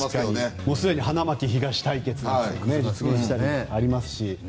もうすでに花巻東対決とか実現したりとかありますし。